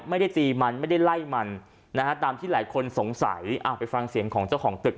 ไม่ได้ตีมันไม่ได้ไล่มันนะฮะตามที่หลายคนสงสัยไปฟังเสียงของเจ้าของตึก